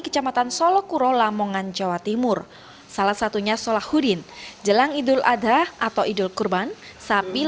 kecamatan solokuro lamongan jawa tenggara